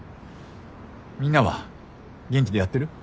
みんなは元気でやってる？